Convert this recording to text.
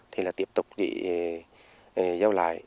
thì là tiếp tục để giao lại